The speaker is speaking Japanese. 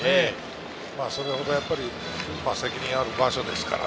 それほど責任のある場所ですから。